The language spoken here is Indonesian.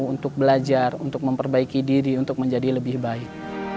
untuk belajar untuk memperbaiki diri untuk menjadi lebih baik